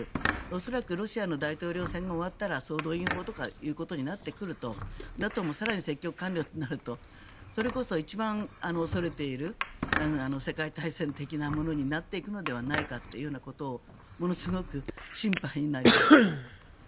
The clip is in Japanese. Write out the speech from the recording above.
恐らくロシアの大統領選挙が終わったら総動員法ということになってくるとＮＡＴＯも更に積極関与ということになるとそれこそ一番恐れている世界大戦的なものになっていくのではないかということをものすごく心配になります。